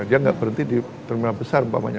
dia tidak berhenti di terminal besar mumpamanya